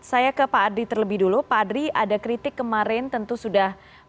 saya ke pak adri terlebih dulu pak adri ada kritik kemarin tentu sudah